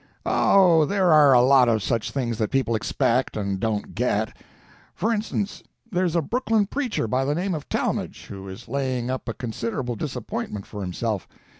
"Oh, there are a lot of such things that people expect and don't get. For instance, there's a Brooklyn preacher by the name of Talmage, who is laying up a considerable disappointment for himself.